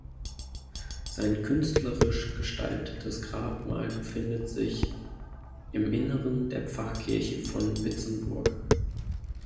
Sein künstlerisch gestaltetes Grabmal befindet sich im Inneren der Pfarrkirche von Vitzenburg.